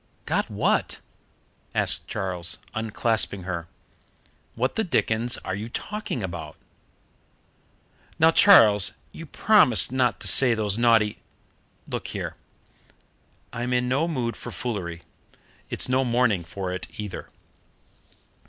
"Got what?" asked Charles, unclasping her. "What the dickens are you talking about?" "Now, Charles, you promised not to say those naughty " "Look here, I'm in no mood for foolery. It's no morning for it either."